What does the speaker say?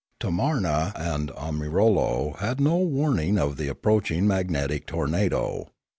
Tamarna and Omirlo had no warning of the approaching magnetic tornado.